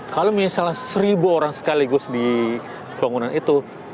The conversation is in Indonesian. kalau misalnya seribu orang sekaligus di bangunan itu